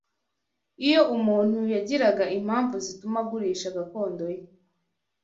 Iyo umuntu yagiraga impamvu zituma agurisha gakondo ye